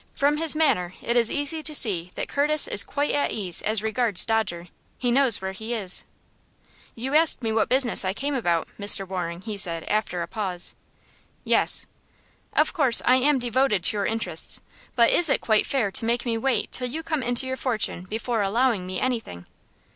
"From his manner it is easy to see that Curtis is quite at ease as regards Dodger. He knows where he is!" "You asked me what business I came about, Mr. Waring," he said, after a pause. "Yes." "Of course I am devoted to your interests, but is it quite fair to make me wait till you come into your fortune before allowing me anything?"